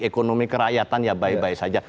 ekonomi kerakyatan ya baik baik saja